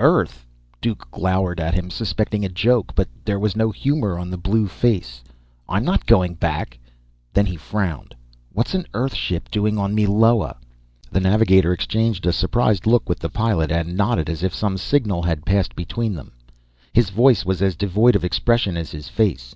"Earth?" Duke glowered at him, suspecting a joke, but there was no humor on the blue face. "I'm not going back!" Then he frowned. "What's an Earth ship doing on Meloa?" The navigator exchanged a surprised look with the pilot, and nodded as if some signal had passed between them. His voice was as devoid of expression as his face.